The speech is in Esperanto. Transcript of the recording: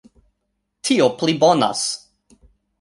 Tio pli bonas!